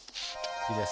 次です。